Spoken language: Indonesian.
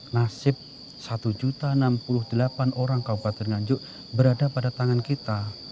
nasib satu enam puluh delapan orang kabupaten nganjuk berada pada tangan kita